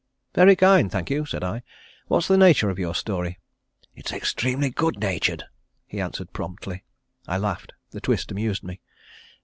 "Very kind, thank you," said I. "What's the nature of your story?" "It's extremely good natured," he answered promptly. I laughed. The twist amused me.